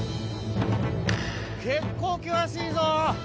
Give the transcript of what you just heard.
結構険しいぞ。